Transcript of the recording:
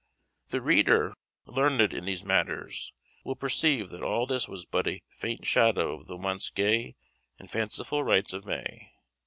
The reader, learned in these matters, will perceive that all this was but a faint shadow of the once gay and fanciful rites of May.